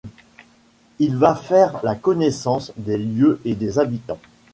Il va faire la connaissance des lieux et des habitants.